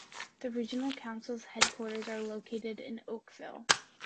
The regional council's headquarters are located in Oakville.